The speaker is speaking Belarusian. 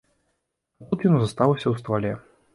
А тут ён застаўся ў ствале.